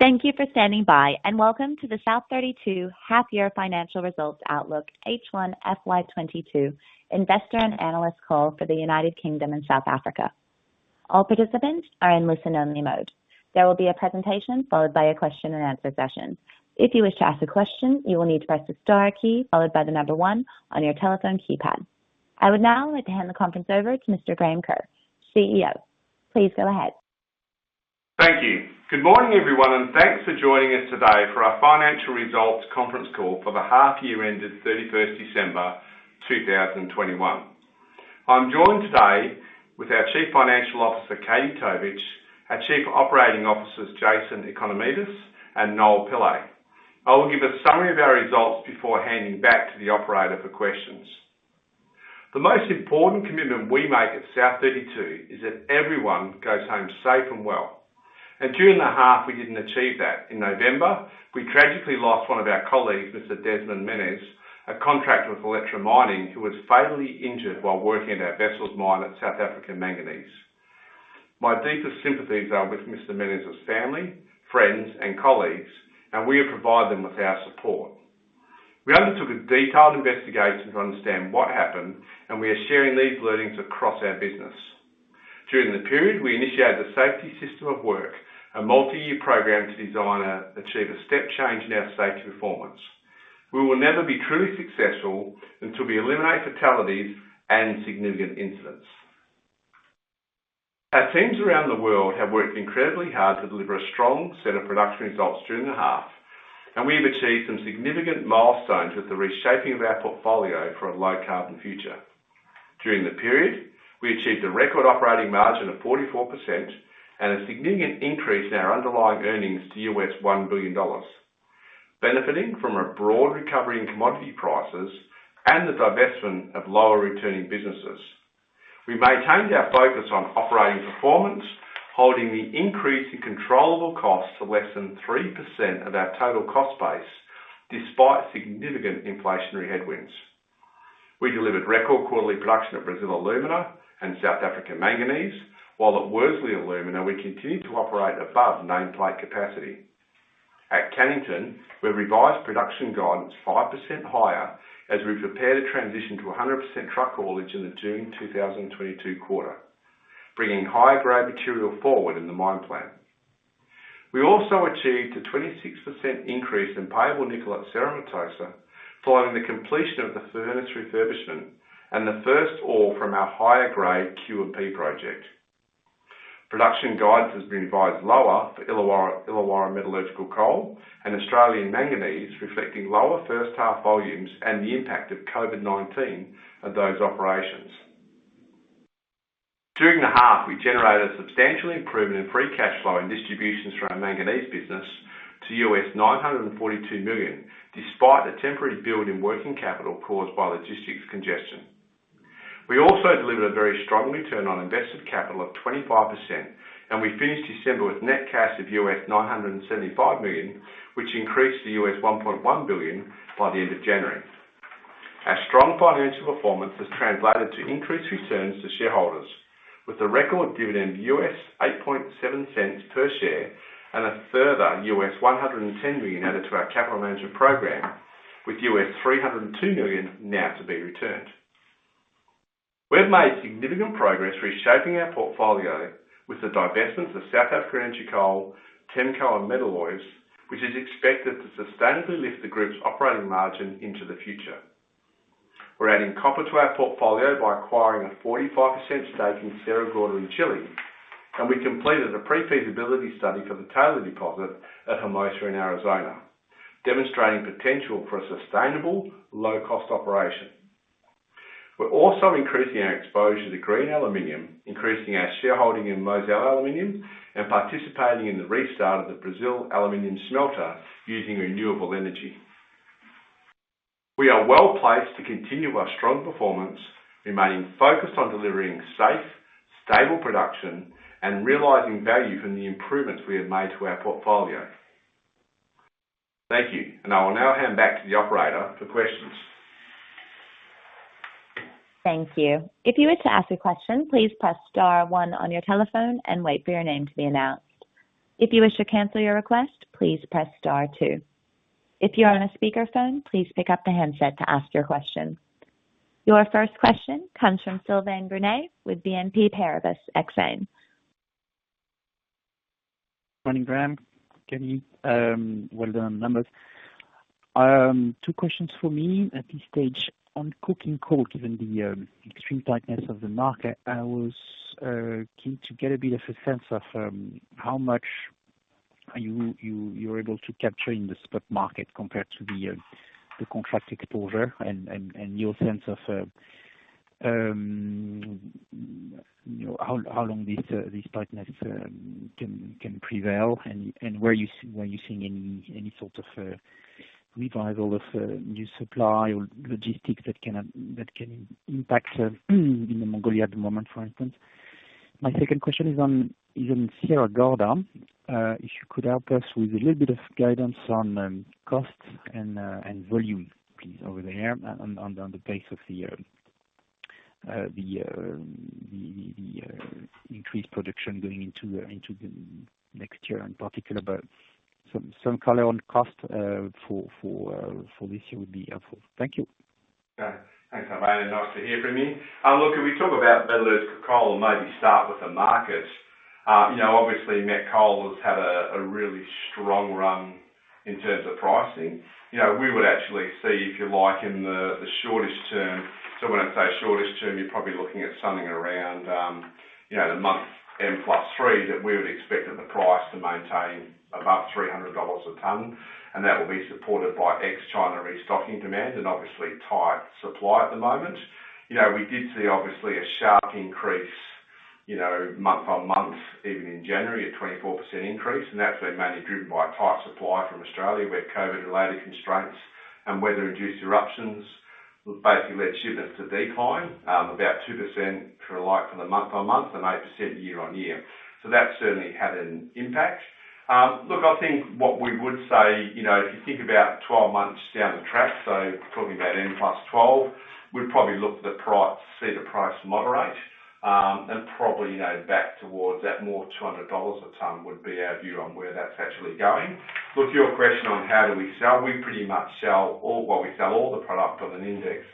Thank you for standing by, and welcome to the South32 half-year financial results outlook H1 FY22 investor and analyst call for the United Kingdom and South Africa. All participants are in listen-only mode. There will be a presentation followed by a question and answer session. If you wish to ask a question, you will need to press the star key followed by the number one on your telephone keypad. I would now like to hand the conference over to Mr. Graham Kerr, CEO. Please go ahead. Thank you. Good morning, everyone, and thanks for joining us today for our financial results conference call for the half year ended 31 December 2021. I'm joined today with our Chief Financial Officer, Katie Tovich, our Chief Operating Officers, Jason Economidis, and Noel Pillay. I will give a summary of our results before handing back to the operator for questions. The most important commitment we make at South32 is that everyone goes home safe and well. During the half, we didn't achieve that. In November, we tragically lost one of our colleagues, Mr. Desmond Menezes, a contractor with Electra Mining, who was fatally injured while working at our Wessels mine at South Africa Manganese. My deepest sympathies are with Mr. Menezes' family, friends, and colleagues, and we have provided them with our support. We undertook a detailed investigation to understand what happened, and we are sharing these learnings across our business. During the period, we initiated the safety system of work, a multi-year program to design and achieve a step change in our safety performance. We will never be truly successful until we eliminate fatalities and significant incidents. Our teams around the world have worked incredibly hard to deliver a strong set of production results during the half, and we have achieved some significant milestones with the reshaping of our portfolio for a low carbon future. During the period, we achieved a record operating margin of 44% and a significant increase in our underlying earnings to $1 billion, benefiting from a broad recovery in commodity prices and the divestment of lower returning businesses. We maintained our focus on operating performance, holding the increase in controllable costs to less than 3% of our total cost base despite significant inflationary headwinds. We delivered record quarterly production of Brazil Alumina and South Africa Manganese, while at Worsley Alumina, we continued to operate above nameplate capacity. At Cannington, we revised production guidance 5% higher as we prepare to transition to 100% truck haulage in the June 2022 quarter, bringing higher-grade material forward in the mine plan. We also achieved a 26% increase in payable nickel at Cerro Matoso following the completion of the furnace refurbishment and the first ore from our higher-grade Q&P project. Production guidance has been revised lower for Illawarra Metallurgical Coal and Australia Manganese, reflecting lower first half volumes and the impact of COVID-19 on those operations. During the half, we generated a substantial improvement in free cash flow and distributions from our manganese business to $942 million, despite a temporary build in working capital caused by logistics congestion. We also delivered a very strong return on invested capital of 25%, and we finished December with net cash of $975 million, which increased to $1.1 billion by the end of January. Our strong financial performance has translated to increased returns to shareholders, with a record dividend of $0.087 per share and a further $110 million added to our capital management program, with $302 million now to be returned. We have made significant progress reshaping our portfolio with the divestment of South Africa Energy Coal, TEMCO, and Metalloys, which is expected to sustainably lift the group's operating margin into the future. We're adding copper to our portfolio by acquiring a 45% stake in Sierra Gorda in Chile, and we completed a pre-feasibility study for the Taylor deposit at Hermosa in Arizona, demonstrating potential for a sustainable, low-cost operation. We're also increasing our exposure to green aluminum, increasing our shareholding in Mozal Aluminum, and participating in the restart of the Brazil aluminum smelter using renewable energy. We are well-placed to continue our strong performance, remaining focused on delivering safe, stable production and realizing value from the improvements we have made to our portfolio. Thank you. I will now hand back to the operator for questions. Your first question comes from Sylvain Brunet with Exane BNP Paribas. Morning, Graham Kerr, well done on the numbers. Two questions for me at this stage. On coking coal, given the extreme tightness of the market, I was keen to get a bit of a sense of how much you're able to capture in the spot market compared to the contracted take-or-pay and your sense of, you know, how long this tightness can prevail and where you're seeing any sort of revival of new supply or logistics that can impact in Mozambique at the moment, for instance. My second question is on Sierra Gorda. If you could help us with a little bit of guidance on costs and volume, please, over there on the pace of the increased production going into the next year in particular, but some color on cost for this year would be helpful. Thank you. Yeah. Thanks, Sylvain Brunet. Nice to hear from you. Look, can we talk about Brown coaland maybe start with the market? You know, obviously, met coal has had a really strong run in terms of pricing. You know, we would actually see if you like, in the shortest term. When I say shortest term, you're probably looking at something around, you know, the month M+3, that we would expect the price to maintain above $300 a ton, and that will be supported by ex-China restocking demand and obviously tight supply at the moment. You know, we did see obviously a sharp increase, you know, month-on-month, even in January, a 24% increase, and that's been mainly driven by tight supply from Australia, where COVID-related constraints and weather-induced eruptions have basically led shipments to decline, about 2% for the month-on-month and 8% year-on-year. That certainly had an impact. Look, I think what we would say, you know, if you think about 12 months down the track, so probably about M+12, we'd probably see the price moderate, and probably, you know, back towards that more $200 a ton would be our view on where that's actually going. Look, your question on how do we sell, we pretty much sell all the product on an index,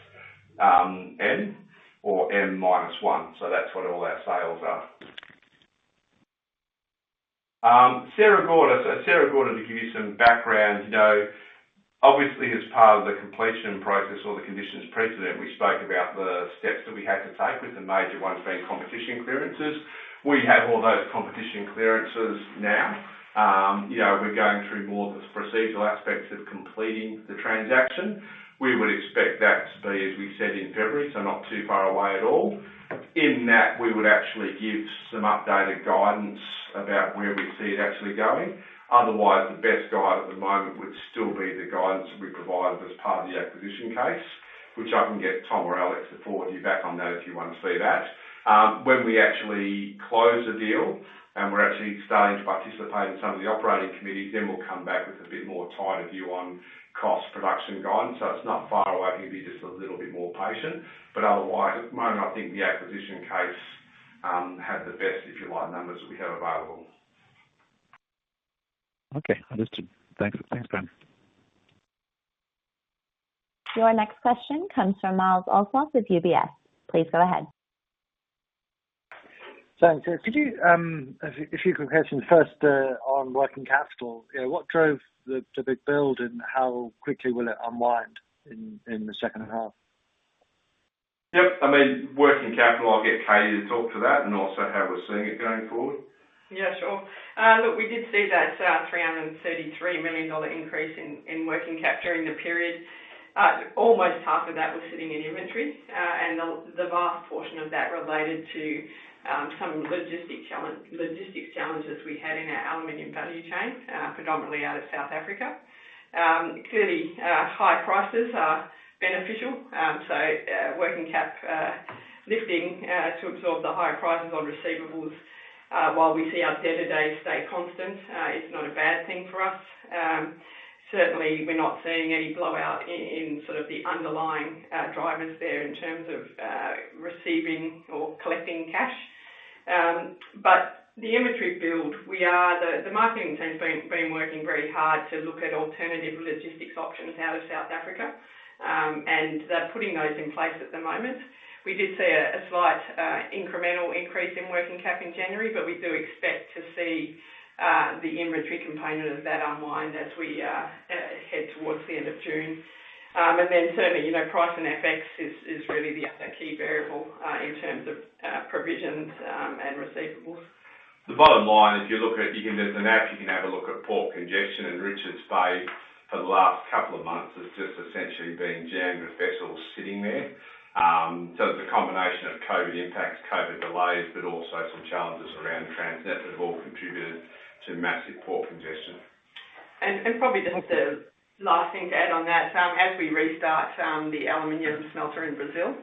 M or M-1. That's what all our sales are. Sierra Gorda. Sierra Gorda, to give you some background, you know, obviously as part of the completion process or the conditions precedent, we spoke about the steps that we had to take, with the major ones being competition clearances. We have all those competition clearances now. You know, we're going through more of the procedural aspects of completing the transaction. We would expect that to be, as we said, in February, so not too far away at all. In that, we would actually give some updated guidance about where we see it actually going. Otherwise, the best guide at the moment would still be the guidance that we provided as part of the acquisition case, which I can get Tom or Alex to follow you back on that if you wanna see that. When we actually close the deal and we're actually starting to participate in some of the operating committees, then we'll come back with a bit more tighter view on cost production guidance. It's not far away if you can be just a little bit more patient, but otherwise, at the moment, I think the acquisition case has the best, if you like, numbers we have available. Okay. Understood. Thanks, Graham. Your next question comes from Myles Allsop with UBS. Please go ahead. Thanks. A few quick questions first on working capital. You know, what drove the big build, and how quickly will it unwind in the second half? Yep. I mean, working capital, I'll get Katie to talk to that and also how we're seeing it going forward. Yeah, sure. Look, we did see that $333 million increase in working cap during the period. Almost half of that was sitting in inventory, and the vast portion of that related to some logistics challenges we had in our aluminum value chain, predominantly out of South Africa. Clearly, high prices are beneficial, so working cap lifting to absorb the higher prices on receivables, while we see our day-to-day stay constant, is not a bad thing for us. Certainly we're not seeing any blowout in sort of the underlying drivers there in terms of receiving or collecting cash. But the inventory build, we are, The marketing team's been working very hard to look at alternative logistics options out of South Africa, and they're putting those in place at the moment. We did see a slight incremental increase in working cap in January, but we do expect to see the inventory component of that unwind as we head towards the end of June. And then certainly, you know, price and FX is really the other key variable in terms of provisions and receivables. The bottom line, if you look at, there's a map, you can have a look at port congestion in Richards Bay for the last couple of months. It's just essentially been jammed with vessels sitting there. It's a combination of COVID impacts, COVID delays, but also some challenges around Transnet have all contributed to massive port congestion. Probably just the last thing to add on that, as we restart the aluminum smelter in Brazil,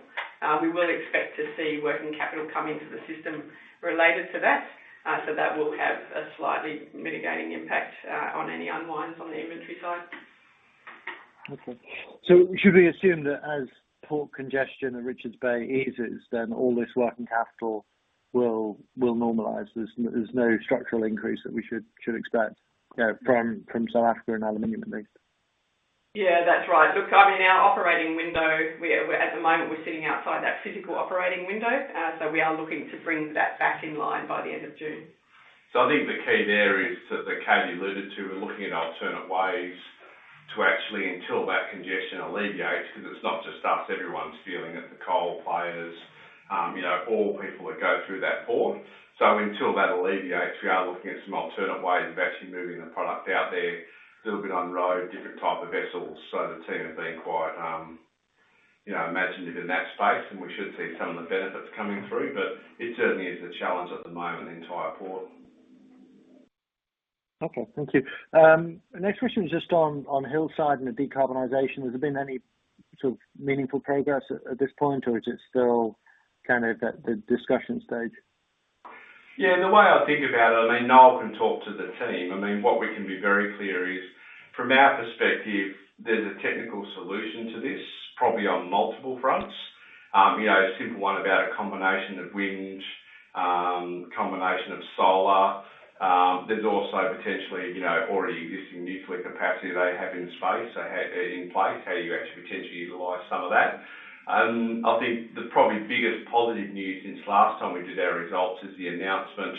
we would expect to see working capital come into the system related to that. That will have a slightly mitigating impact on any unwinds on the inventory side. Okay. Should we assume that as port congestion at Richards Bay eases, then all this working capital will normalize? There's no structural increase that we should expect, you know, from South Africa and aluminum at least. Yeah, that's right. Look, I mean, our operating window, we're at the moment, we're sitting outside that physical operating window, so we are looking to bring that back in line by the end of June. I think the key there is, that Katie alluded to, we're looking at alternate ways to actually until that congestion alleviates, because it's not just us, everyone's feeling it, the coal players, you know, all people that go through that port. Until that alleviates, we are looking at some alternate ways of actually moving the product out there, little bit on road, different type of vessels. The team have been quite, you know, imaginative in that space, and we should see some of the benefits coming through. It certainly is a challenge at the moment, the entire port. Okay. Thank you. Next question is just on Hillside and the decarbonization. Has there been any sort of meaningful progress at this point, or is it still kind of at the discussion stage? Yeah, the way I think about it, I mean, Noel can talk to the team. I mean, what we can be very clear is, from our perspective, there's a technical solution to this, probably on multiple fronts. You know, a simple one about a combination of wind, combination of solar. There's also potentially, you know, already existing nuclear capacity they have in space, in place, how you actually potentially utilize some of that. I think the probably biggest positive news since last time we did our results is the announcement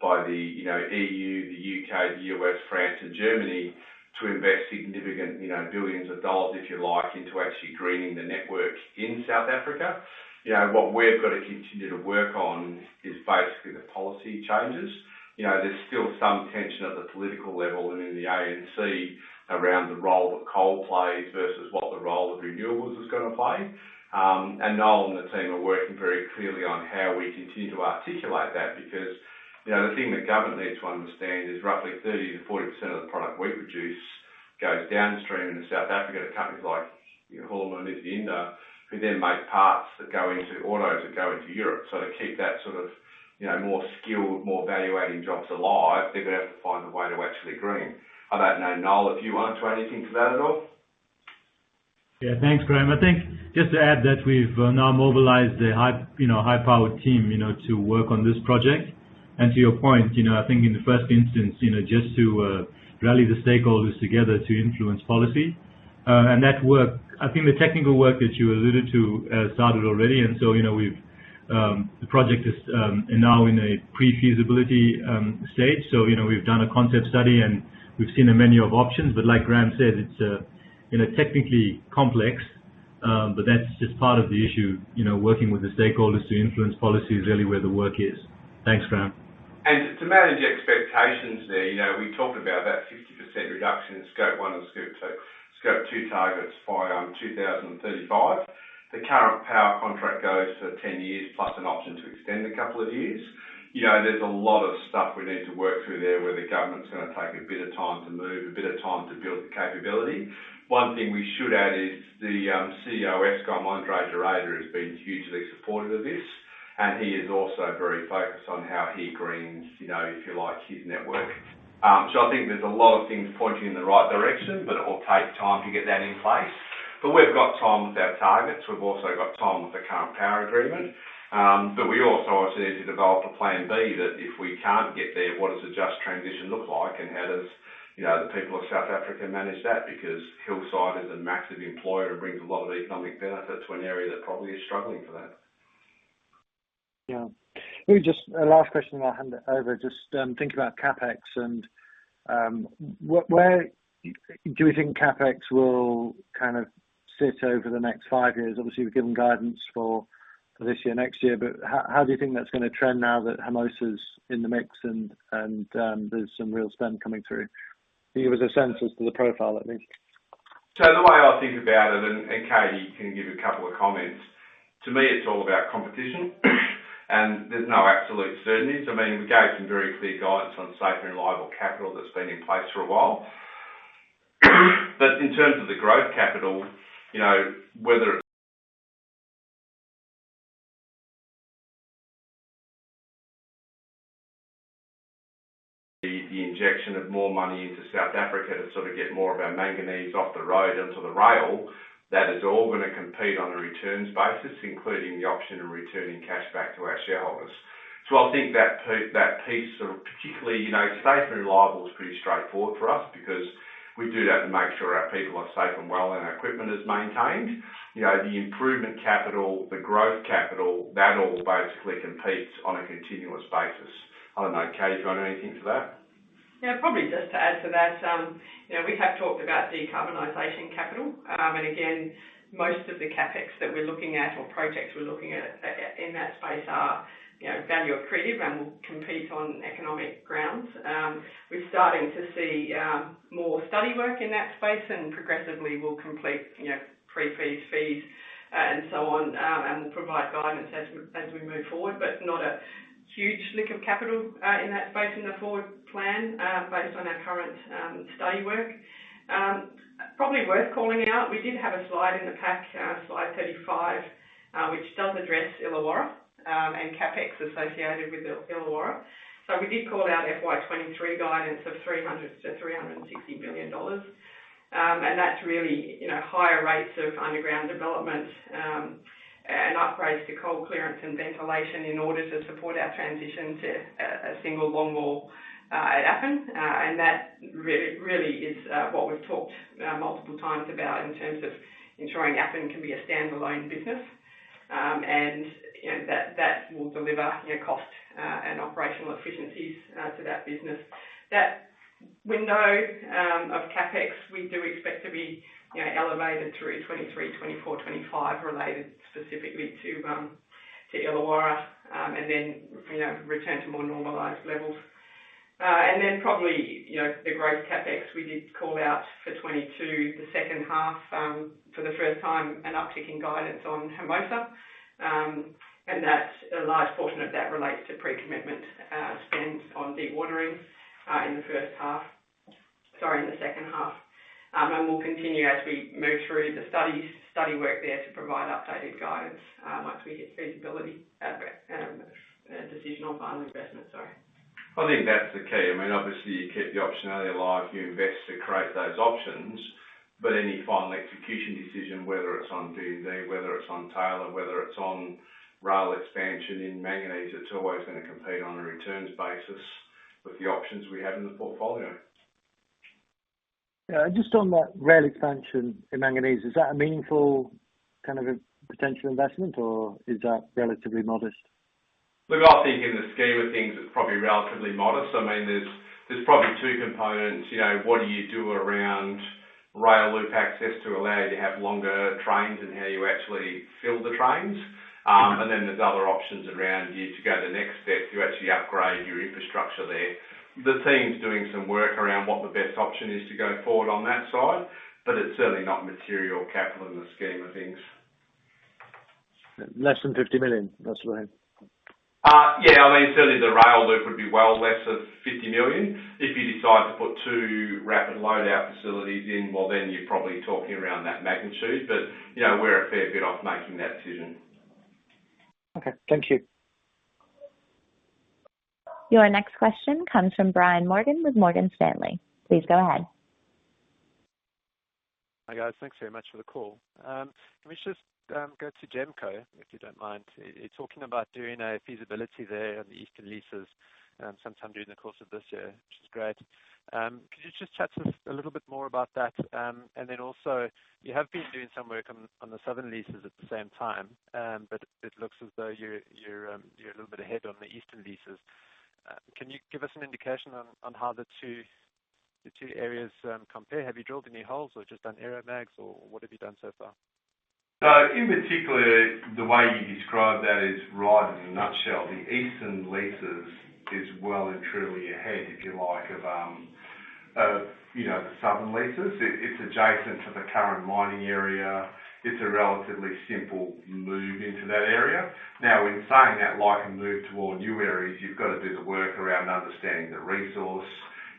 by the, you know, EU, the U.K., the U.S., France and Germany to invest significant, you know, $ billions, if you like, into actually greening the network in South Africa. You know, what we've gotta continue to work on is basically the policy changes. You know, there's still some tension at the political level and in the ANC around the role that coal plays versus what the role of renewables is gonna play. Noel and the team are working very clearly on how we continue to articulate that. Because, you know, the thing that government needs to understand is roughly 30% to 40% of the product we produce goes downstream into South Africa, to companies like, you know, Hulamin and Isizinda, who then make parts that go into autos that go into Europe. To keep that sort of, you know, more skilled, more value-adding jobs alive, they're gonna have to find a way to actually green. I don't know, Noel, if you wanna add anything to that at all. Yeah. Thanks, Graham. I think just to add that we've now mobilized a high-powered team, you know, to work on this project. To your point, you know, I think in the first instance, you know, just to rally the stakeholders together to influence policy. That work, I think the technical work that you alluded to started already. You know, the project is now in a pre-feasibility stage. You know, we've done a concept study, and we've seen a menu of options. Like Graham said, it's, you know, technically complex, but that's just part of the issue. You know, working with the stakeholders to influence policy is really where the work is. Thanks, Graham. To manage expectations there, you know, we talked about that 50% reduction in Scope 1 and Scope 2 targets by 2035. The current power contract goes for 10 years, plus an option to extend a couple of years. You know, there's a lot of stuff we need to work through there, where the government's gonna take a bit of time to move, a bit of time to build the capability. One thing we should add is the CEO of Eskom, André de Ruyter, has been hugely supportive of this, and he is also very focused on how he greens, you know, if you like, his network. I think there's a lot of things pointing in the right direction, but it will take time to get that in place. We've got time with our targets. We've also got time with the current power agreement. We also obviously need to develop a plan B that if we can't get there, what does a just transition look like and how does, you know, the people of South Africa manage that? Because Hillside is a massive employer and brings a lot of economic benefit to an area that probably is struggling for that. Yeah. Maybe just a last question and I'll hand it over. Just thinking about CapEx and where do you think CapEx will kind of sit over the next five years? Obviously, you've given guidance for this year, next year, but how do you think that's gonna trend now that Hermosa's in the mix and there's some real spend coming through? Can you give us a sense as to the profile at least? The way I think about it, and Katie can give you a couple of comments, to me, it's all about competition, and there's no absolute certainties. I mean, we gave some very clear guidance on safe and reliable capital that's been in place for a while. In terms of the growth capital, you know, whether it's the injection of more money into South Africa to sort of get more of our manganese off the road onto the rail, that is all gonna compete on a returns basis, including the option of returning cash back to our shareholders. I think that piece, particularly, you know, safe and reliable is pretty straightforward for us because we do that to make sure our people are safe and well and our equipment is maintained. You know, the improvement capital, the growth capital, that all basically competes on a continuous basis. I don't know, Katie, you got anything to that? Yeah, probably just to add to that, you know, we have talked about decarbonization capital. Again, most of the CapEx that we're looking at or projects we're looking at in that space are, you know, value accretive and will compete on economic grounds. We're starting to see more study work in that space and progressively we'll complete, you know, pre-fees, fees and so on and provide guidance as we move forward, but not a huge lick of capital in that space in the forward plan based on our current study work. Probably worth calling out, we did have a slide in the pack, slide 35, which does address Illawarra and CapEx associated with Illawarra. We did call out FY 2023 guidance of $300 to 360 million. That's really, you know, higher rates of underground development and upgrades to coal clearance and ventilation in order to support our transition to a single longwall at Appin. That really is what we've talked multiple times about in terms of ensuring Appin can be a standalone business. You know, that will deliver, you know, cost and operational efficiencies to that business. That window of CapEx we do expect to be, you know, elevated through 2023, 2024, 2025, related specifically to Illawarra and then, you know, return to more normalized levels. Then probably, you know, the growth CapEx we did call out for 2022, the second half, for the first time, an uptick in guidance on Hermosa. That's a large portion of that relates to pre-commitment spend on dewatering in the first half. Sorry, in the second half. We'll continue as we move through the studies, study work there to provide updated guidance once we hit feasibility, decision on final investment, sorry. I think that's the key. I mean, obviously, you keep the optionality alive, you invest to create those options. Any final execution decision, whether it's on D&D, whether it's on Taylor, whether it's on rail expansion in Manganese, it's always gonna compete on a returns basis with the options we have in the portfolio. Yeah. Just on that rail expansion in Manganese, is that a meaningful kind of a potential investment or is that relatively modest? Look, I think in the scheme of things, it's probably relatively modest. I mean, there's probably two components. You know, what do you do around rail loop access to allow you to have longer trains and how you actually fill the trains. There's other options around you to go the next step to actually upgrade your infrastructure there. The team's doing some work around what the best option is to go forward on that side, but it's certainly not material capital in the scheme of things. Less than $50 million. That's fine. Yeah. I mean, certainly the rail loop would be well less than $50 million. If you decide to put two rapid load out facilities in, well, then you're probably talking around that magnitude. You know, we're a fair bit off making that decision. Okay. Thank you. Your next question comes from Brian Morgan with Morgan Stanley. Please go ahead. Hi, guys. Thanks very much for the call. Can we just go to GEMCO, if you don't mind? You're talking about doing a feasibility there on the eastern leases sometime during the course of this year, which is great. Could you just chat to us a little bit more about that? Then also, you have been doing some work on the southern leases at the same time, but it looks as though you're a little bit ahead on the eastern leases. Can you give us an indication on how the two areas compare? Have you drilled any holes or just done aeromags or what have you done so far? In particular, the way you describe that is right in a nutshell. The eastern leases is well and truly ahead, if you like, of, you know, the southern leases. It's adjacent to the current mining area. It's a relatively simple move into that area. Now, in saying that, like a move toward new areas, you've got to do the work around understanding the resource.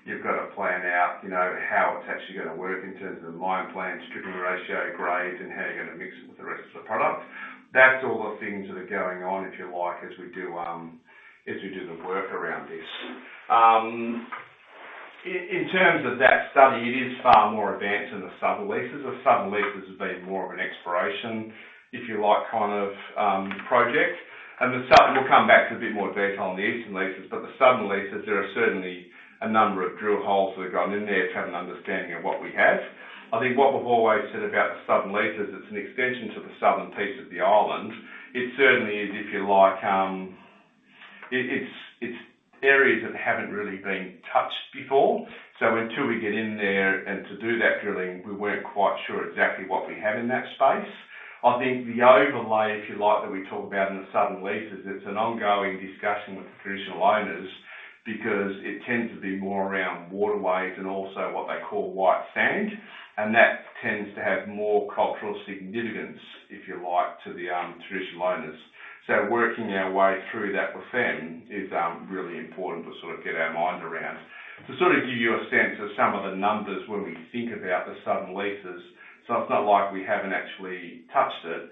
You've got to plan out, you know, how it's actually gonna work in terms of the mine plan, stripping ratio, grades, and how you're gonna mix it with the rest of the product. That's all the things that are going on, if you like, as we do the work around this. In terms of that study, it is far more advanced than the southern leases. The southern leases have been more of an exploration, if you like, kind of project. We'll come back to a bit more detail on the eastern leases. The southern leases, there are certainly a number of drill holes that have gone in there to have an understanding of what we have. I think what we've always said about the southern leases, it's an extension to the southern piece of the island. It certainly is, if you like, it's areas that haven't really been touched before. Until we get in there and to do that drilling, we weren't quite sure exactly what we have in that space. I think the overlay, if you like, that we talk about in the southern leases, it's an ongoing discussion with the traditional owners because it tends to be more around waterways and also what they call white sand, and that tends to have more cultural significance, if you like, to the traditional owners. Working our way through that with them is really important to sort of get our mind around. To sort of give you a sense of some of the numbers when we think about the southern leases, so it's not like we haven't actually touched it.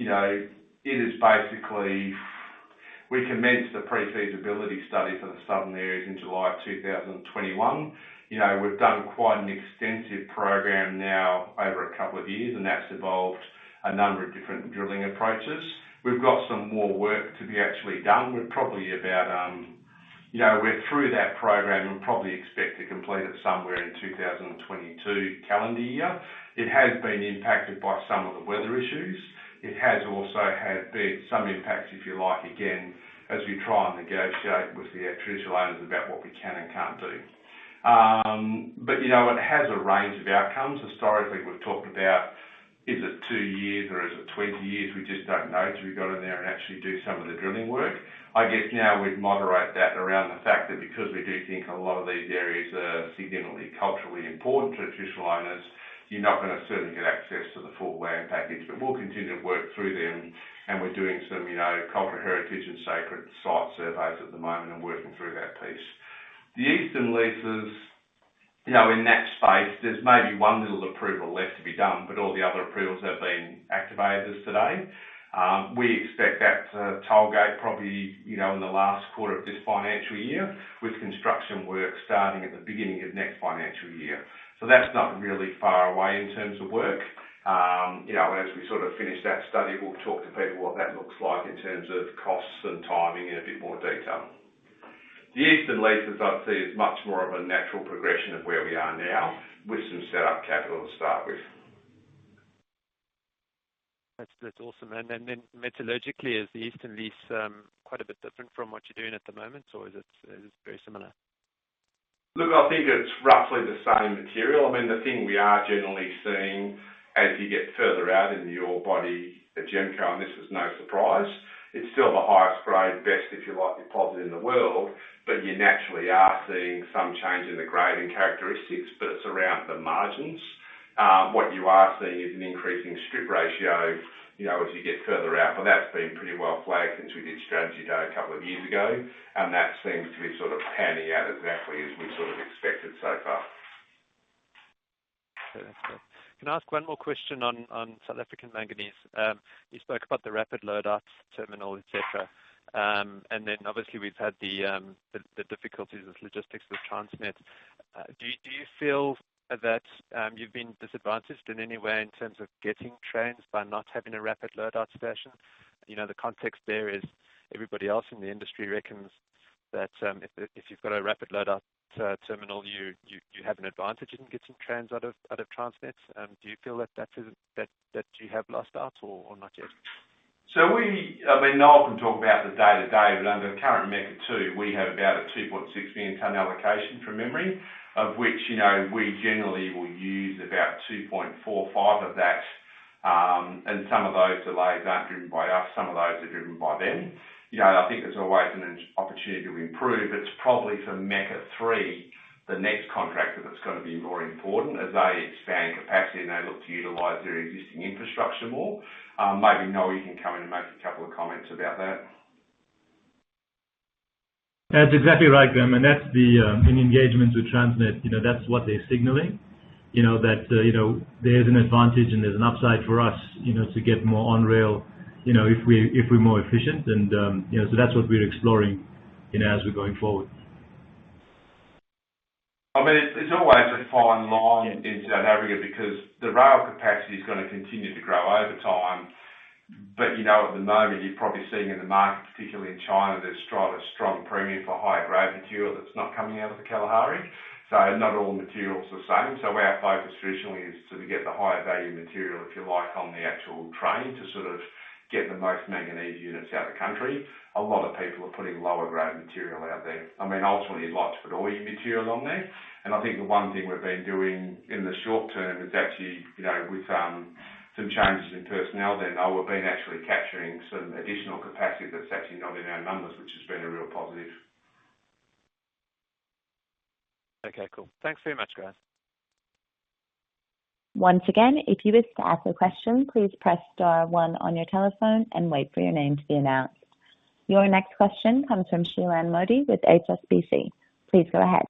You know, it is basically, we commenced the pre-feasibility study for the southern areas in July of 2021. You know, we've done quite an extensive program now over a couple of years, and that's involved a number of different drilling approaches. We've got some more work to be actually done. We're probably about. You know, we're through that program and probably expect to complete it somewhere in 2022 calendar year. It has been impacted by some of the weather issues. It has also had some impacts, if you like, again, as we try and negotiate with the traditional owners about what we can and can't do. You know, it has a range of outcomes. Historically, we've talked about is it 2 years or is it 20 years? We just don't know till we go in there and actually do some of the drilling work. I guess now we'd moderate that around the fact that because we do think a lot of these areas are significantly culturally important to traditional owners, you're not gonna certainly get access to the full land package. We'll continue to work through them and we're doing some, you know, cultural heritage and sacred site surveys at the moment and working through that piece. The eastern leases, you know, in that space, there's maybe one little approval left to be done, but all the other approvals have been activated as of today. We expect that to tollgate probably, you know, in the last quarter of this financial year, with construction work starting at the beginning of next financial year. That's not really far away in terms of work. You know, and as we sort of finish that study, we'll talk to people about what that looks like in terms of costs and timing in a bit more detail. The eastern leases I'd see as much more of a natural progression of where we are now with some set up capital to start with. That's awesome. Then metallurgically, is the eastern lease quite a bit different from what you're doing at the moment or is it very similar? Look, I think it's roughly the same material. I mean, the thing we are generally seeing as you get further out in the ore body at GEMCO, and this is no surprise, it's still the highest grade best, if you like, deposit in the world, but you naturally are seeing some change in the grade and characteristics, but it's around the margins. What you are seeing is an increasing strip ratio, you know, as you get further out. That's been pretty well flagged since we did Strategy Day a couple of years ago, and that seems to be sort of panning out exactly as we sort of expected so far. Okay, that's good. Can I ask one more question on South Africa Manganese? You spoke about the rapid load out terminal, et cetera. Obviously we've had the difficulties with logistics with Transnet. Do you feel that you've been disadvantaged in any way in terms of getting trains by not having a rapid load out station? You know, the context there is everybody else in the industry reckons that if you've got a rapid load out terminal, you have an advantage. You can get some trains out of Transnet. Do you feel that that is that you have lost out or not yet? I mean, Noel can talk about the day-to-day, but under the current MECA 2, we have about a 2.6 million tonne allocation from memory, of which, you know, we generally will use about 2.45 of that. Some of those delays aren't driven by us, some of those are driven by them. You know, I think there's always an opportunity to improve. It's probably for MECA 3, the next contract that's gonna be more important as they expand capacity, and they look to utilize their existing infrastructure more. Maybe Noel, you can come in and make a couple of comments about that. That's exactly right, Graham, and that's the engagement with Transnet. You know, that's what they're signaling. You know, there's an advantage and there's an upside for us, you know, to get more on rail, you know, if we're more efficient. So that's what we're exploring, you know, as we're going forward. I mean, it's always a fine line. Yeah. In South Africa because the rail capacity is gonna continue to grow over time. You know, at the moment, you're probably seeing in the market, particularly in China, there's a strong premium for higher grade material that's not coming out of the Kalahari. Not all materials are the same. Our focus traditionally is to get the higher value material, if you like, on the actual train to sort of get the most manganese units out of the country. A lot of people are putting lower grade material out there. I mean, ultimately you'd like to put all your material on there. I think the one thing we've been doing in the short term is actually, you know, with some changes in personnel there, Noel, we've been actually capturing some additional capacity that's actually not in our numbers, which has been a real positive. Okay, cool. Thanks very much, guys. Once again, if you wish to ask a question, please press star one on your telephone and wait for your name to be announced. Your next question comes from Shilan Modi with HSBC. Please go ahead.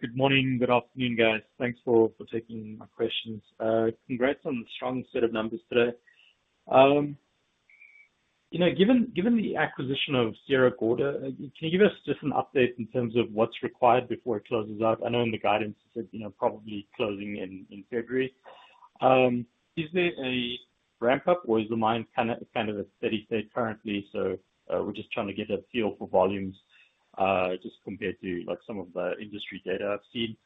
Good morning, good afternoon, guys. Thanks for taking my questions. Congrats on the strong set of numbers today. You know, given the acquisition of Sierra Gorda, can you give us just an update in terms of what's required before it closes out? I know in the guidance you said, you know, probably closing in February. Is there a ramp up or is the mine kind of at steady state currently? We're just trying to get a feel for volumes, just compared to like some of the industry data I've seen.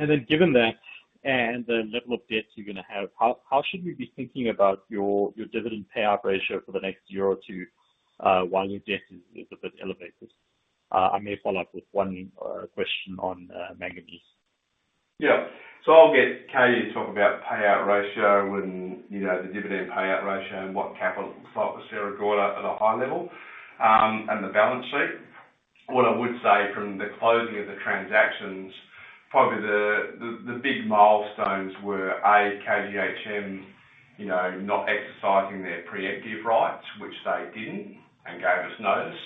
Then given that and the level of debt you're gonna have, how should we be thinking about your dividend payout ratio for the next year or two, while your debt is a bit elevated? I may follow up with one question on manganese. Yeah. I'll get Katie to talk about payout ratio and, you know, the dividend payout ratio and what capital it looks like for Sierra Gorda at a high level, and the balance sheet. What I would say from the closing of the transactions, probably the big milestones were, A, KGHM, you know, not exercising their preemptive rights, which they didn't, and gave us notice.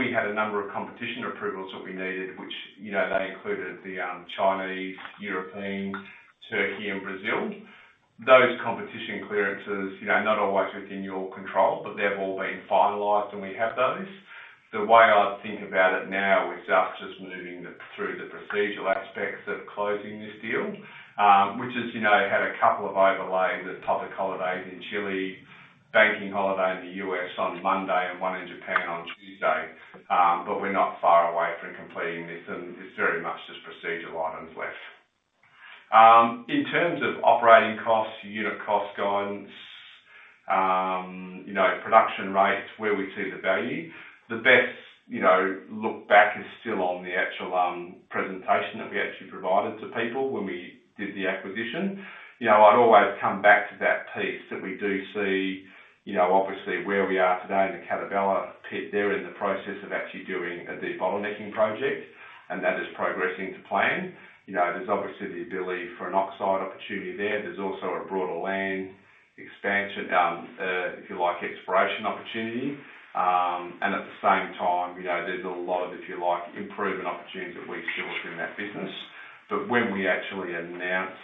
We had a number of competition approvals that we needed, which, you know, they included the Chinese, European, Turkey and Brazil. Those competition clearances, you know, are not always within your control, but they've all been finalized, and we have those. The way I think about it now is us just moving through the procedural aspects of closing this deal, which has, you know, had a couple of overlaps with public holidays in Chile, banking holiday in the U.S. on Monday, and one in Japan on Tuesday. We're not far away from completing this, and it's very much just procedural items left. In terms of operating costs, unit cost guidance, you know, production rates, where we see the value, the best, you know, look back is still on the actual presentation that we actually provided to people when we did the acquisition. You know, I'd always come back to that piece that we do see. You know, obviously where we are today in the Catabela pit, they're in the process of actually doing a debottlenecking project, and that is progressing to plan. You know, there's obviously the ability for an oxide opportunity there. There's also a broader land expansion, if you like, exploration opportunity. At the same time, you know, there's a lot of, if you like, improvement opportunities that we see within that business. When we actually announce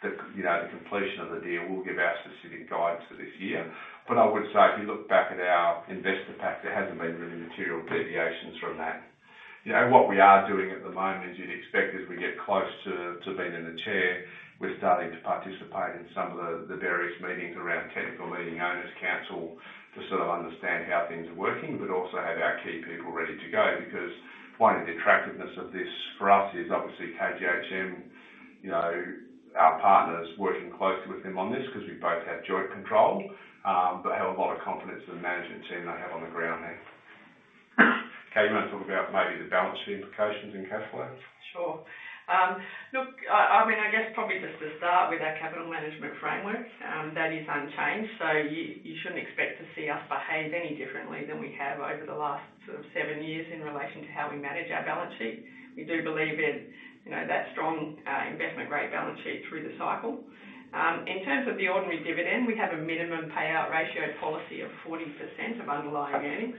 the, you know, the completion of the deal, we'll give our specific guidance for this year. I would say if you look back at our investor pack, there hasn't been really material deviations from that. You know, what we are doing at the moment, as you'd expect, as we get close to being in the chair, we're starting to participate in some of the various meetings around technical leading owners council to sort of understand how things are working, but also have our key people ready to go. Because the point of the attractiveness of this for us is obviously KGHM, you know, our partners working closely with them on this because we both have joint control. But we have a lot of confidence in the management team they have on the ground there. Katie, you wanna talk about maybe the balance sheet implications and cash flow? Sure. Look, I mean, I guess probably just to start with our capital management framework, that is unchanged, so you shouldn't expect to see us behave any differently than we have over the last sort of 7 years in relation to how we manage our balance sheet. We do believe in, you know, that strong, investment grade balance sheet through the cycle. In terms of the ordinary dividend, we have a minimum payout ratio policy of 40% of underlying earnings.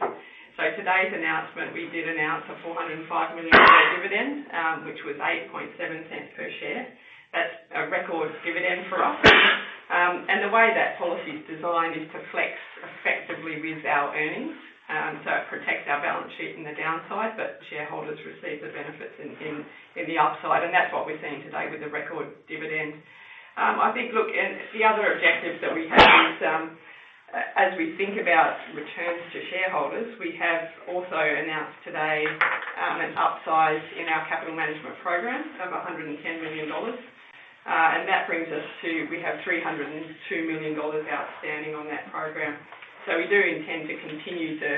Today's announcement, we did announce a $405 million dividend, which was $0.087 per share. That's a record dividend for us. The way that policy is designed is to flex effectively with our earnings. It protects our balance sheet in the downside, but shareholders receive the benefits in the upside, and that's what we're seeing today with the record dividend. I think, look, the other objective that we have is, as we think about returns to shareholders, we have also announced today, an upsize in our capital management program of $110 million. That brings us to $302 million outstanding on that program. We do intend to continue to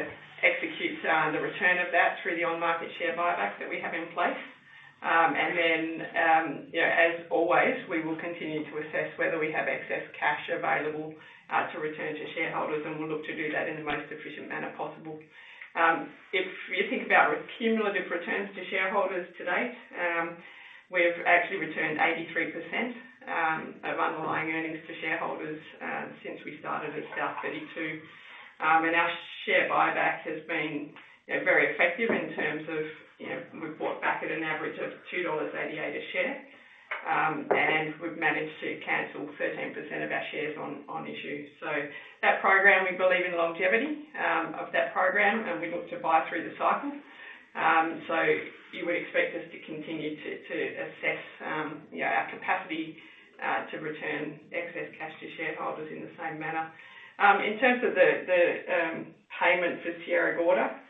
execute the return of that through the on-market share buyback that we have in place. You know, as always, we will continue to assess whether we have excess cash available to return to shareholders, and we'll look to do that in the most efficient manner possible. If you think about our cumulative returns to shareholders to date, we've actually returned 83% of underlying earnings to shareholders since we started at South32. Our share buyback has been, you know, very effective in terms of, you know, we've bought back at an average of $2.88 a share, and we've managed to cancel 13% of our shares on issue. That program, we believe in longevity of that program, and we look to buy through the cycle. You would expect us to continue to assess, you know, our capacity to return excess cash to shareholders in the same manner. In terms of the payment for Sierra Gorda,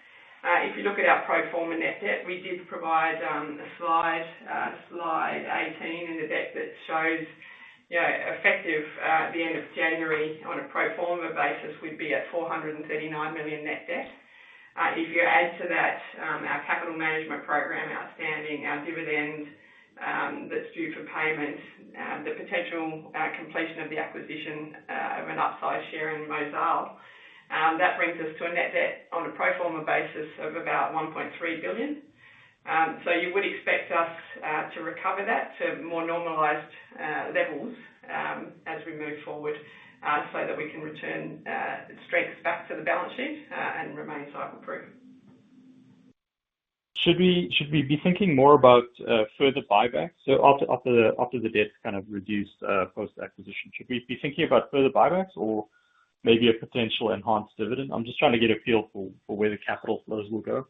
if you look at our pro forma net debt, we did provide a slide 18 in the deck that shows, you know, effective at the end of January on a pro forma basis, we'd be at $439 million net debt. If you add to that, our capital management program outstanding, our dividend that's due for payment, the potential completion of the acquisition of an upsize share in Mozal, that brings us to a net debt on a pro forma basis of about $1.3 billion. You would expect us to recover that to more normalized levels as we move forward, so that we can return strength back to the balance sheet and remain cycle proof. Should we be thinking more about further buybacks? After the debt kind of reduce post-acquisition, should we be thinking about further buybacks or maybe a potential enhanced dividend? I'm just trying to get a feel for where the capital flows will go.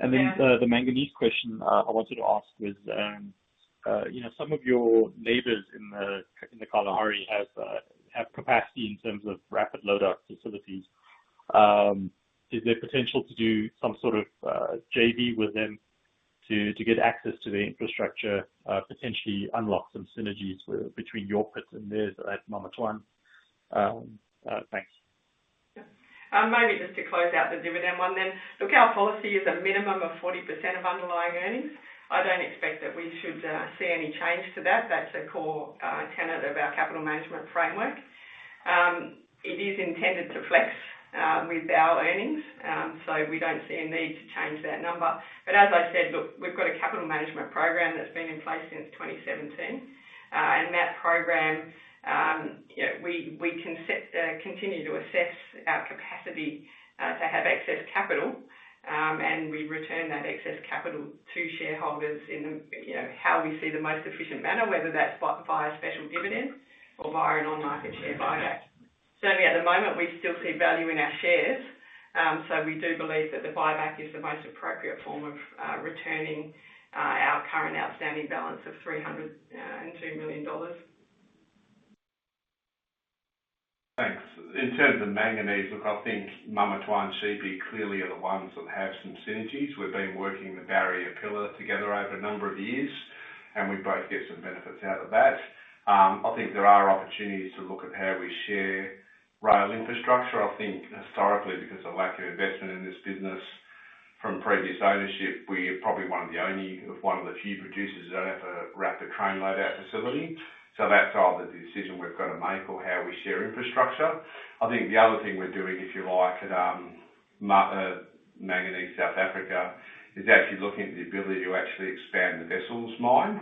Yeah. The manganese question I wanted to ask is, you know, some of your neighbors in the Kalahari have capacity in terms of rapid load up facilities. Is there potential to do some sort of JV with them to get access to the infrastructure, potentially unlock some synergies between your pits and theirs at Mamatwan? Thanks. Yeah. Maybe just to close out the dividend one then. Look, our policy is a minimum of 40% of underlying earnings. I don't expect that we should see any change to that. That's a core tenet of our capital management framework. It is intended to flex with our earnings, so we don't see a need to change that number. But as I said, look, we've got a capital management program that's been in place since 2017. That program, you know, we can continue to assess our capacity to have excess capital, and we return that excess capital to shareholders in the, you know, how we see the most efficient manner, whether that's by a special dividend or via an on-market share buyback. Certainly at the moment, we still see value in our shares, so we do believe that the buyback is the most appropriate form of returning our current outstanding balance of $302 million. Thanks. In terms of manganese, look, I think Mamatwan, CB clearly are the ones that have some synergies. We've been working the Barrier Pillar together over a number of years, and we both get some benefits out of that. I think there are opportunities to look at how we share rail infrastructure. I think historically, because of lack of investment in this business from previous ownership, we are probably one of the few producers that don't have a rapid train load out facility. So that's either the decision we've got to make or how we share infrastructure. I think the other thing we're doing, if you like, at South Africa Manganese, is actually looking at the ability to actually expand the Wessels mine.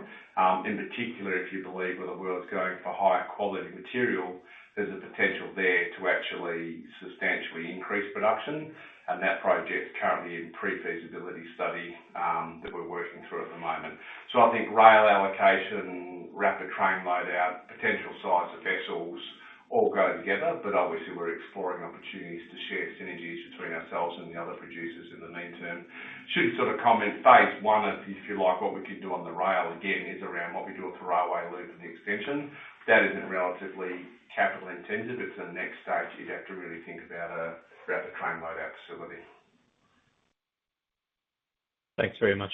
In particular, if you believe where the world's going for higher quality material, there's a potential there to actually substantially increase production. That project's currently in pre-feasibility study that we're working through at the moment. I think rail allocation, rapid train load out, potential size of vessels all go together. Obviously, we're exploring opportunities to share synergies between ourselves and the other producers in the meantime. I should sort of comment, phase I of, if you like, what we could do on the rail, again, is around what we do with the railway loop and the extension. That isn't relatively capital intensive. It's the next stage, you'd have to really think about the train load out facility. Thanks very much.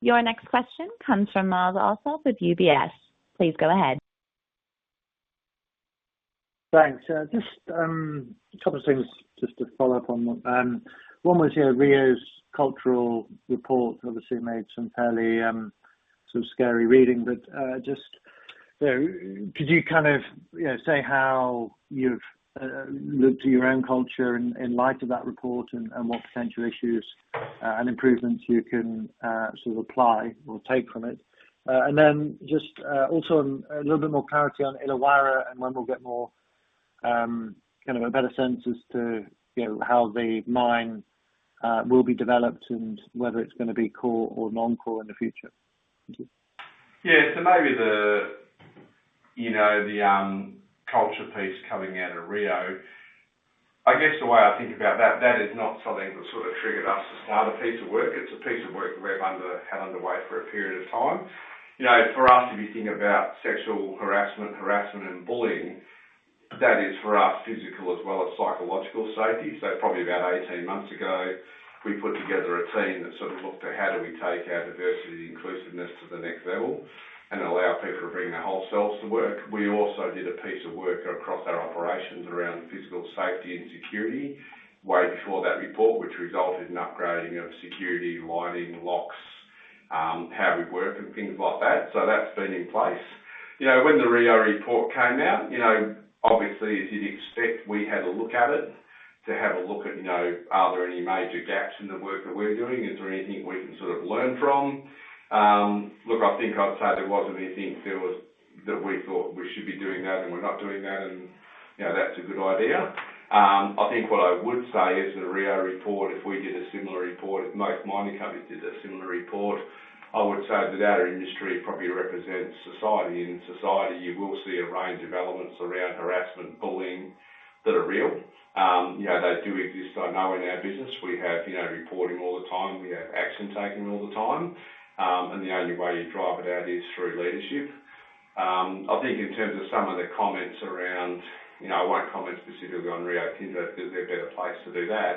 Your next question comes from Myles Allsop with UBS. Please go ahead. Thanks. Just a couple of things just to follow up on. One was, you know, Rio's cultural report obviously made some fairly scary reading. Just, you know, could you kind of, you know, say how you've looked to your own culture in light of that report and what potential issues and improvements you can sort of apply or take from it. Then just also a little bit more clarity on Illawarra and when we'll get more kind of a better sense as to, you know, how the mine will be developed and whether it's gonna be core or non-core in the future. Thank you. Yeah. Maybe you know, the culture piece coming out of Rio. I guess the way I think about that is not something that sort of triggered us to start a piece of work. It's a piece of work we've had underway for a period of time. You know, for us, if you think about sexual harassment and bullying, that is, for us, physical as well as psychological safety. Probably about 18 months ago, we put together a team that sort of looked at how do we take our diversity inclusiveness to the next level and allow people to bring their whole selves to work. We also did a piece of work across our operations around physical safety and security way before that report, which resulted in upgrading of security, lighting, locks, how we work and things like that. That's been in place. You know, when the Rio Tinto report came out, you know, obviously, as you'd expect, we had a look at it, you know, are there any major gaps in the work that we're doing? Is there anything we can sort of learn from? I think I'd say there wasn't anything that we thought we should be doing that we're not doing, and you know, that's a good idea. I think what I would say is the Rio Tinto report, if we did a similar report, if most mining companies did a similar report, I would say that our industry probably represents society. In society you will see a range of elements around harassment, bullying that are real. You know, they do exist. I know in our business we have, you know, reporting all the time. We have action taken all the time. The only way you drive it out is through leadership. I think in terms of some of the comments around, you know, I won't comment specifically on Rio Tinto because they're better placed to do that.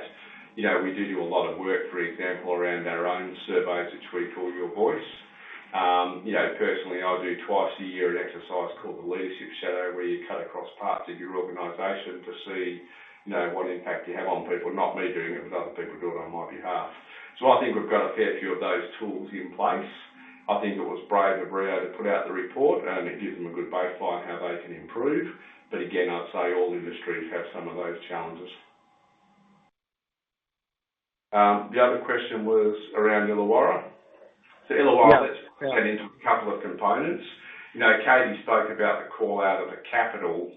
You know, we do a lot of work, for example, around our own surveys, which we call Your Voice. Personally I do twice a year an exercise called the Leadership Shadow, where you cut across parts of your organization to see, you know, what impact you have on people. Not me doing it, but other people do it on my behalf. I think we've got a fair few of those tools in place. I think it was brave of Rio to put out the report, and it gives them a good baseline how they can improve. Again, I'd say all industries have some of those challenges. The other question was around Illawarra. Yeah... that's into a couple of components. You know, Katie spoke about the call out of the capital,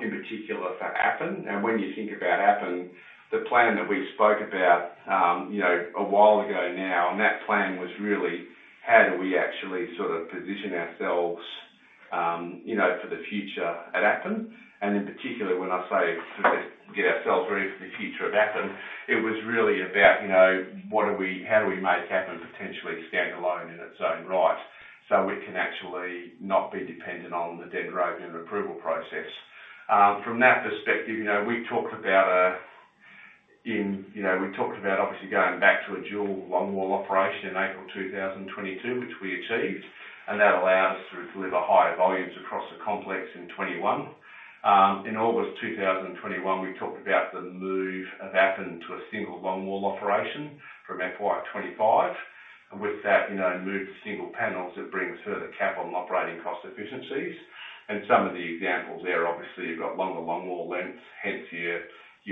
in particular for Appin. When you think about Appin, the plan that we spoke about, you know, a while ago now, and that plan was really how do we actually sort of position ourselves, you know, for the future at Appin, and in particular, when I say to get ourselves ready for the future of Appin, it was really about, you know, how do we make Appin potentially stand alone in its own right so we can actually not be dependent on the Dendrobium approval process. From that perspective, you know, we talked about obviously going back to a dual Longwall operation in April 2022, which we achieved, and that allowed us to deliver higher volumes across the complex in 2021. In August 2021, we talked about the move of Appin to a single Longwall operation from FY 2025. With that, you know, move to single panels, it brings further capital and operating cost efficiencies. Some of the examples there, obviously you've got longer Longwall lengths, hence you're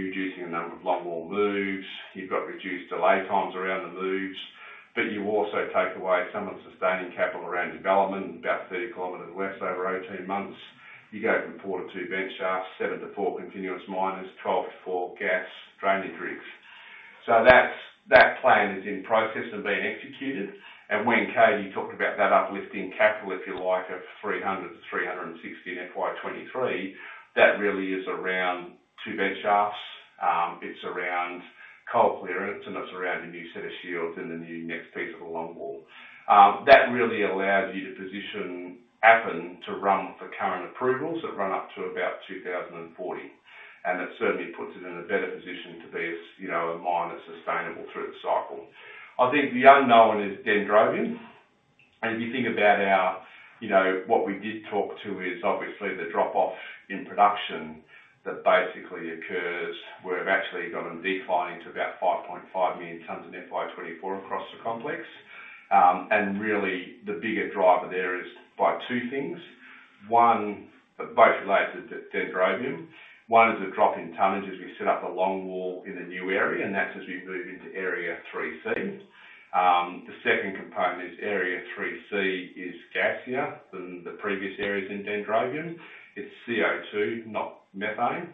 reducing the number of Longwall moves. You've got reduced delay times around the moves. You also take away some of the sustaining capital around development, about 30 kilometers west over 18 months. You go from four to two bench shafts, seven to four continuous miners, 12 to four gas drainage rigs. That plan is in process and being executed. When Katie talked about that uplifting capital, if you like, of $300 to $360 in FY 2023, that really is around two bench shafts. It's around coal clearance and it's around a new set of shields and the new next piece of the longwall. That really allows you to position Appin to run for current approvals that run up to about 2040. That certainly puts it in a better position to be as, you know, a mine that's sustainable through the cycle. I think the unknown is Dendrobium. If you think about our, you know, what we did talk to is obviously the drop-off in production that basically occurs where we've actually got a decline to about 5.5 million tons in FY 2024 across the complex. Really the bigger driver there is by two things. Both related to Dendrobium. One is the drop in tonnage as we set up a Longwall in a new area, and that's as we move into area 3C. The second component is area 3C is gassier than the previous areas in Dendrobium. It's CO2, not methane.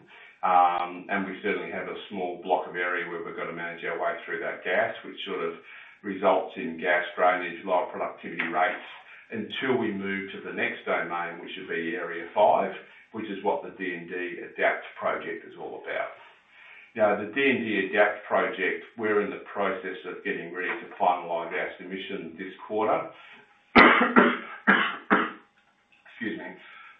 We certainly have a small block of area where we've got to manage our way through that gas, which sort of results in gas drainage, lower productivity rates until we move to the next domain, which would be area five, which is what the D&D Adapt project is all about. You know, the D&D Adapt project, we're in the process of getting ready to finalize our submission this quarter.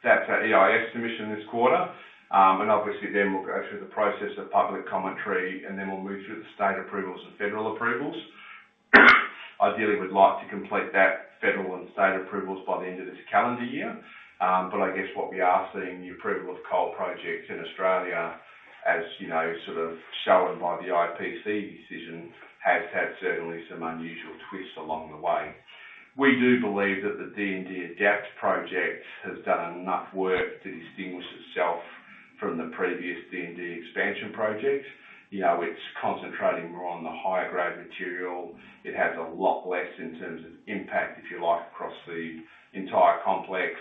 That's our EIS submission this quarter. Obviously then we'll go through the process of public commentary, and then we'll move through the state approvals and federal approvals. Ideally, we'd like to complete that federal and state approvals by the end of this calendar year. I guess what we are seeing, the approval of coal projects in Australia, as you know, sort of shown by the IPC decision, has had certainly some unusual twists along the way. We do believe that the D&D Adapt Project has done enough work to distinguish itself from the previous D&D expansion project. You know, it's concentrating more on the higher grade material. It has a lot less in terms of impact, if you like, across the entire complex.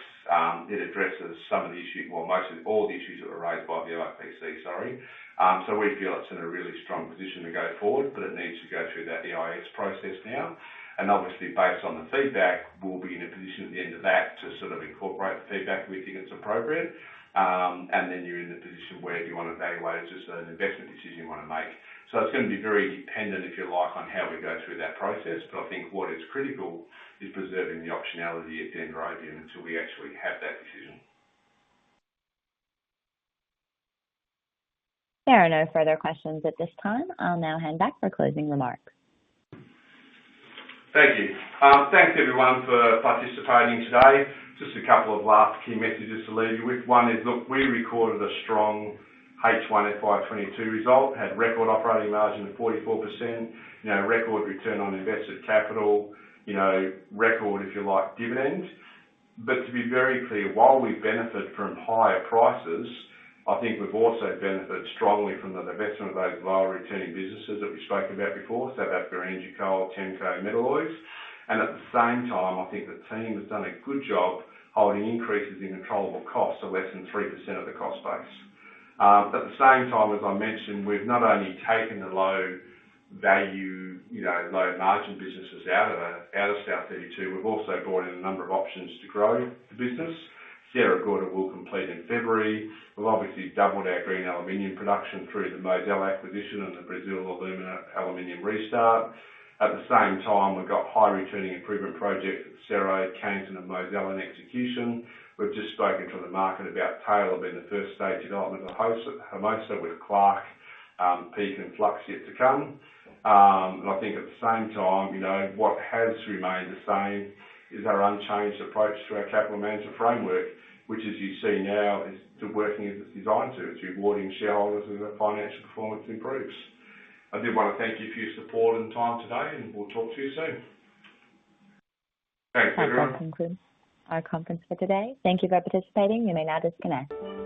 It addresses some of the issues or most of all the issues that were raised by the IPC. We feel it's in a really strong position to go forward, but it needs to go through that EIS process now. Obviously based on the feedback, we'll be in a position at the end of that to sort of incorporate the feedback we think it's appropriate. You're in a position where you want to evaluate it as an investment decision you wanna make. It's gonna be very dependent, if you like, on how we go through that process. I think what is critical is preserving the optionality at Dendrobium until we actually have that decision. There are no further questions at this time. I'll now hand back for closing remarks. Thank you. Thanks everyone for participating today. Just a couple of last key messages to leave you with. One is, look, we recorded a strong H1 FY 2022 result. Had record operating margin of 44%. You know, record return on invested capital. You know, record, if you like, dividends. To be very clear, while we benefit from higher prices, I think we've also benefited strongly from the divestment of those lower returning businesses that we've spoken about before. That's South Africa Energy Coal, TEMCO, and Metalloys. At the same time, I think the team has done a good job holding increases in controllable costs to less than 3% of the cost base. At the same time, as I mentioned, we've not only taken the low value, you know, low margin businesses out of South32, we've also brought in a number of options to grow the business. Sierra Gorda will complete in February. We've obviously doubled our green aluminum production through the Mozal acquisition and the Brazil Alumina aluminum restart. At the same time, we've got high returning improvement projects at Cerro, Cannington and Mozal in execution. We've just spoken to the market about Taylor being the first stage development of Hermosa, with Clark, Peak and Flux yet to come. I think at the same time, you know, what has remained the same is our unchanged approach to our capital management framework, which as you see now, is still working as it's designed to. It's rewarding shareholders as our financial performance improves. I did want to thank you for your support and time today, and we'll talk to you soon. Thanks, everyone. That concludes our conference for today. Thank you for participating. You may now disconnect.